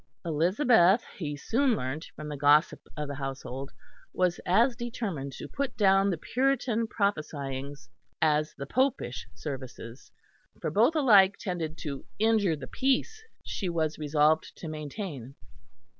Elizabeth, he soon learnt from the gossip of the household, was as determined to put down the Puritan "prophesyings" as the popish services; for both alike tended to injure the peace she was resolved to maintain.